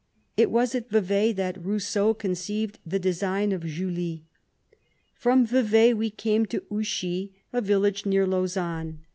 It was at Vevai that Rous seau conceived the design of Julie. From Vevai we came to Ouchy, a village near Lausanne.